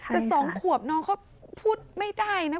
แต่๒ขวบน้องเขาพูดไม่ได้นะ